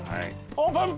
オープン。